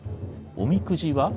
おみくじは。